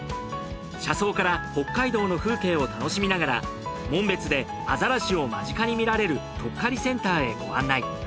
車窓から北海道の風景を楽しみながら紋別でアザラシを間近に見られるとっかりセンターへご案内。